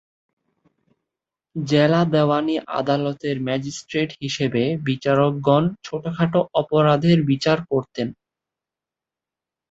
জেলা দেওয়ানি আদালতের ম্যাজিস্ট্রেট হিসেবে বিচারকগণ ছোটখাটো অপরাধের বিচার করতেন।